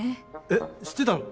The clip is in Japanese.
えっ知ってたの？